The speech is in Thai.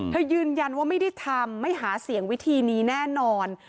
ยืนยันว่าไม่ได้ทำไม่หาเสียงวิธีนี้แน่นอน